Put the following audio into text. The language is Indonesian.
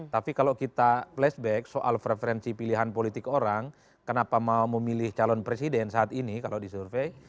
tapi kalau kita flashback soal preferensi pilihan politik orang kenapa mau memilih calon presiden saat ini kalau disurvey